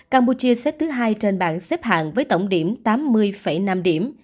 campuchia xếp thứ hai trên bảng xếp hạng với tổng điểm tám mươi năm điểm